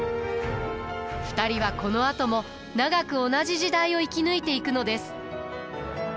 ２人はこのあとも長く同じ時代を生き抜いていくのです。